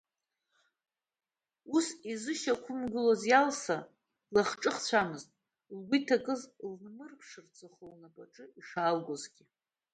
Ус изышьақәымгылоз Иалса длахҿыхцәамызт, лгәы иҭакыз лнымԥшырц, лхы лнапаҿы ишаалгозгьы.